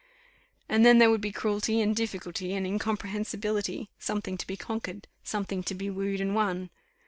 and then there would be cruelty and difficulty, and incomprehensibility something to be conquered something to be wooed and won.